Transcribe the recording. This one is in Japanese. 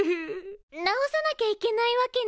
治さなきゃいけないわけね。